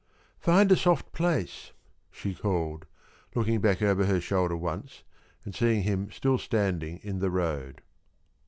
"Find a soft place," she called, looking back over her shoulder once and seeing him still standing in the road.